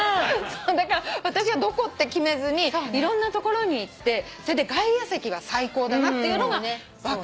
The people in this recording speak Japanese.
だから私はどこって決めずにいろんなところに行って外野席は最高だなっていうのが分かった。